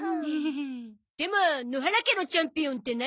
でも野原家のチャンピオンって何？